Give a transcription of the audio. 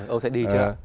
ông sẽ đi chưa